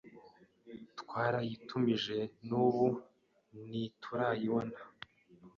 Twarayitumije n’ubu ntiturayibona.